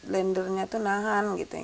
lendirnya itu nahan